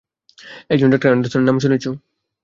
একজন ডাঃ অ্যান্ডারসনের নাম শুনেছ?